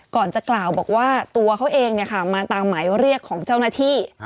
ก่อนจะกล่าวบอกว่าตัวเขาเองมาตามหมายเรียกของเจ้าหน้าที่